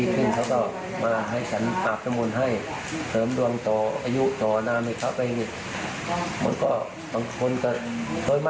ถามว่ามันดีไหมฟังไปเลย